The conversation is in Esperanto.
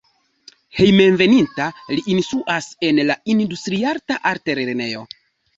Hejmenveninta li instruas en la Industriarta Altlernejo.